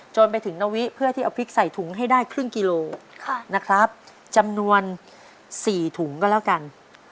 จนไปถึงนวิเพื่อที่เอาพริกใส่ถุงให้ได้ครึ่งกิโลนะครับจำนวน๔ถุงก็แล้วกัน